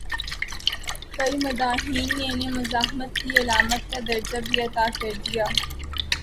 کئی مداحین نے انہیں مزاحمت کی علامت کا درجہ بھی عطا کر دیا۔